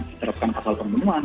diterapkan pasal penunjuan